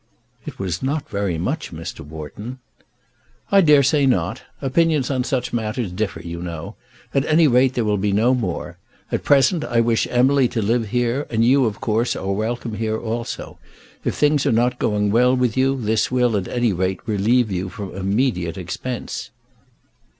"It was not very much, Mr. Wharton." "I dare say not. Opinions on such a matter differ, you know. At any rate, there will be no more. At present I wish Emily to live here, and you, of course, are welcome here also. If things are not going well with you, this will, at any rate, relieve you from immediate expense."